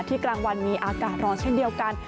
กลางวันมีอากาศร้อนเช่นเดียวกัน